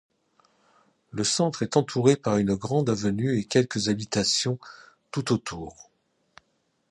Le centre est entouré par une grande avenue et quelques habitations tout autour.